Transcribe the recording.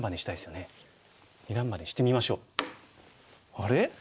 あれ？